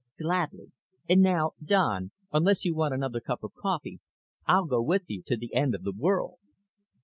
"Gladly. And now, Don, unless you want another cup of coffee, I'll go with you to the end of the world."